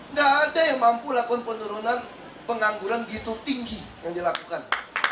nggak ada yang mampu lakukan penurunan pengangguran gitu tinggi yang dilakukan